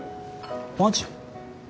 マジ？